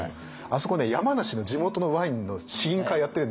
あそこね山梨の地元のワインの試飲会やってるんですよ。